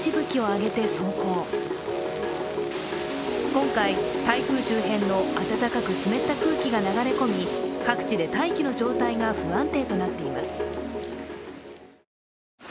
今回、台風周辺の暖かく湿った空気が流れ込み各地で大気の状態が不安定となっています。